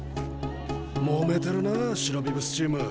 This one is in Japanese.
もめてるなあ白ビブスチーム。